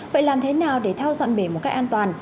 vậy làm thế nào để theo dọn bể một cách an toàn